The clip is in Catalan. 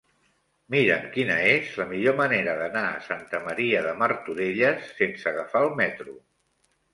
Mira'm quina és la millor manera d'anar a Santa Maria de Martorelles sense agafar el metro.